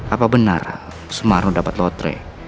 apa benar sumarno dapat lotre